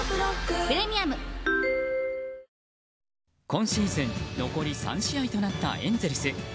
今シーズン残り３試合となったエンゼルス。